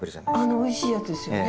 あのおいしいやつですよね？